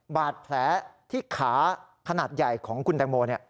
บาดแผลที่ขาขนาดใหญ่ของคุณแตงโม